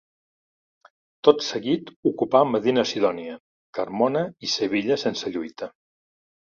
Tot seguit ocupà Medina-Sidònia, Carmona i Sevilla sense lluita.